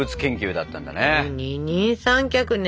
二人三脚ね。